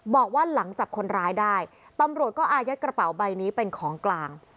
บอกว่าหลังจับคนร้ายได้ตำรวจก็อายัดกระเป๋าใบนี้เป็นของกลาง